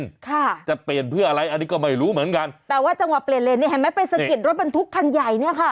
ค่ะจะเปลี่ยนเพื่ออะไรอันนี้ก็ไม่รู้เหมือนกันแต่ว่าจังหวะเปลี่ยนเลนนี่เห็นไหมไปสะกิดรถบรรทุกคันใหญ่เนี้ยค่ะ